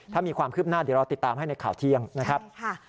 ถ้ามีความคืบหน้าเดี๋ยวเราติดตามให้ในข่าวเที่ยงนะครับ